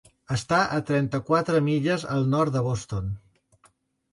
Està a trenta-quatre milles al nord de Boston.